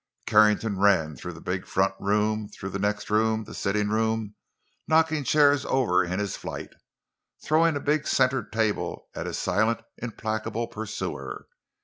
Carrington ran through the big front room, through the next room—the sitting room—knocking chairs over in his flight, throwing a big center table at his silent, implacable pursuer.